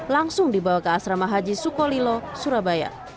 langsung dibawa ke asrama haji sukolilo surabaya